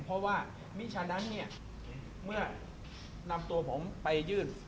เพราะว่ามิฉะนั้นเนี่ยเมื่อนำตัวผมไปยื่น